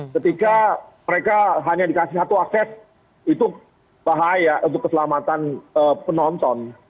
ketika mereka hanya dikasih satu akses itu bahaya untuk keselamatan penonton